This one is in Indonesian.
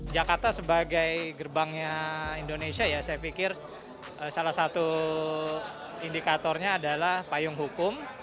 jakarta sebagai gerbangnya indonesia ya saya pikir salah satu indikatornya adalah payung hukum